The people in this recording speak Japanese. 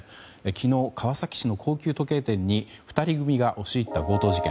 昨日、川崎市の高級時計店に２人組が押し入った強盗事件。